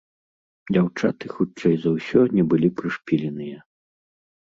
Дзяўчаты хутчэй за ўсё не былі прышпіленыя.